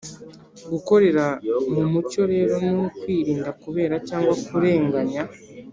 Gukorera mu mucyo rero ni ukwirinda kubera cyangwa kurenganya.